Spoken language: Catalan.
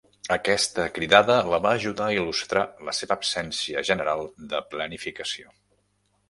Aquesta cridada la va ajudar a il·lustrar la seva absència general de planificació.